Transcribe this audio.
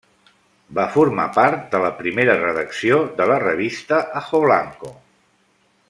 Va formar part de la primera redacció de la revista Ajoblanco.